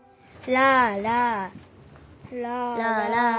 「らららら」。